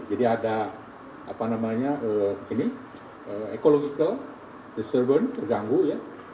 jadi ada apa namanya ini ecological disturbance terganggu ya